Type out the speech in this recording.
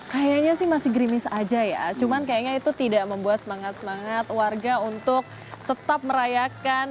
kayaknya sih masih grimis aja ya cuman kayaknya itu tidak membuat semangat semangat warga untuk tetap merayakan